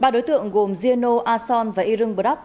ba đối tượng gồm giê nô a son và y rưng bờ đắp